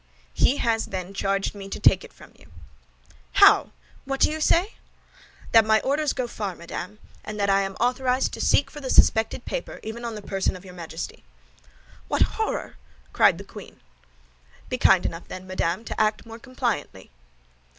"He has, then, charged me to take it from you." "How! What do you say?" "That my orders go far, madame; and that I am authorized to seek for the suspected paper, even on the person of your Majesty." "What horror!" cried the queen. "Be kind enough, then, madame, to act more compliantly."